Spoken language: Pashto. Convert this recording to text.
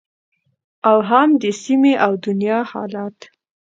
او هم د سیمې او دنیا حالت